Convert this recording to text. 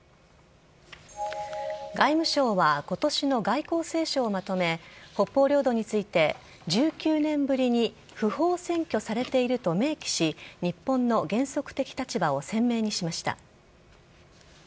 外務省は今年の外交青書をまとめ北方領土について１９年ぶりに不法占拠されていると明記し日本の原則的立場を鮮明にしました。